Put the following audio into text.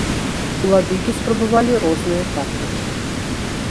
Уладыкі спрабавалі розныя тактыкі.